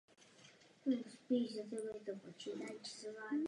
Ve stáji Benetton ho tehdy vedl jeho dlouholetý přítel Peter Collins.